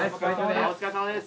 お疲れさまです。